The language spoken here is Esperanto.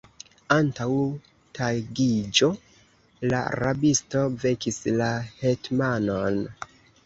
Antaŭ tagiĝo la rabisto vekis la hetmanon.